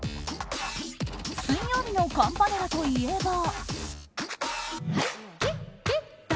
水曜日のカンパネラといえば。